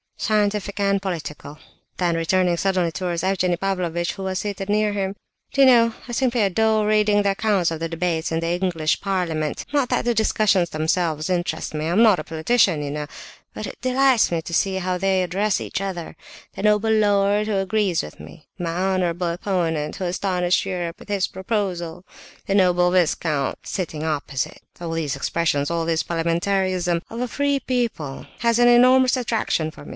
"Scientific and political." Then, turning suddenly towards Evgenie Pavlovitch, who was seated near him: "Do you know, I simply adore reading the accounts of the debates in the English parliament. Not that the discussions themselves interest me; I am not a politician, you know; but it delights me to see how they address each other 'the noble lord who agrees with me,' 'my honourable opponent who astonished Europe with his proposal,' 'the noble viscount sitting opposite'—all these expressions, all this parliamentarism of a free people, has an enormous attraction for me.